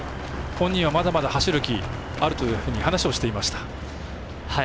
本人はまだまだ走る気あると話をしていました。